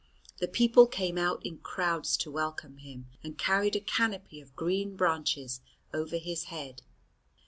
The people came out in crowds to welcome him and carried a canopy of green branches over his head.